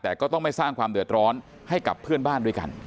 แต่ก็ต้องไม่สร้างความเดือดร้อนให้กับเพื่อนบ้านด้วยกัน